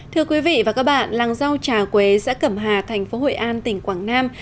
thưa quý vị và các bạn làng rau trà quế giã cẩm hà thành phố hội an tỉnh quảng nam